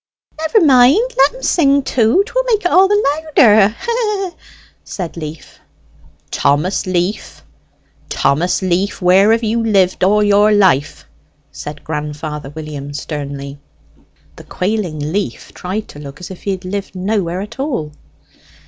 "Never mind! Let 'em sing too 'twill make it all the louder hee, hee!" said Leaf. "Thomas Leaf, Thomas Leaf! Where have you lived all your life?" said grandfather William sternly. The quailing Leaf tried to look as if he had lived nowhere at all.